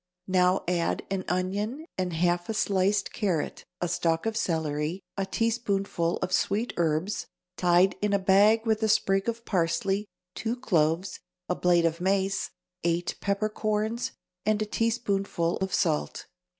Now add an onion and half a sliced carrot, a stalk of celery, a teaspoonful of sweet herbs tied in a bag with a sprig of parsley, two cloves, a blade of mace, eight peppercorns and a teaspoonful of salt.